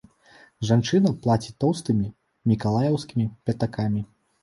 Жанчына плаціць тоўстымі мікалаеўскімі пятакамі.